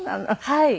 はい。